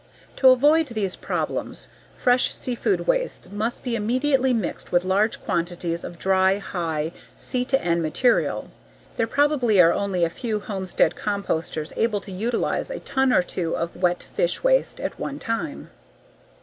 To avoid these problems, fresh seafood wastes must be immediately mixed with large quantities of dry, high C/N material. There probably are only a few homestead composters able to utilize a ton or two of wet fish waste at one time.